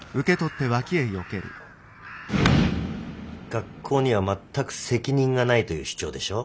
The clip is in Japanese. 学校には全く責任がないという主張でしょう。